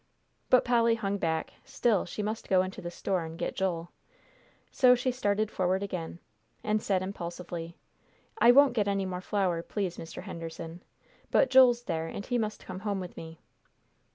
But Polly hung back; still, she must go into the store and get Joel. So she started forward again, and said impulsively, "I won't get any more flour, please, Mr. Henderson, but Joel's there, and he must come home with me."